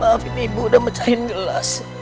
maafin ibu udah mecahin gelas